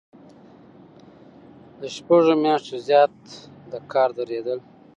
له شپږو میاشتو زیات د کار دریدل.